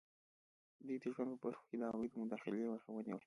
دوی د ژوند په برخو کې د هغوی د مداخلې مخه ونیوله.